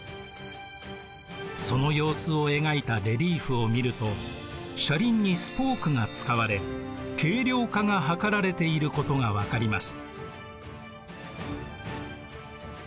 その様子を描いたレリーフを見ると車輪にスポークが使われ軽量化が図られていることが分かります。